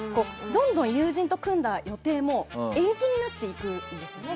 どんどん友人と組んだ予定も延期になっていくんですよね。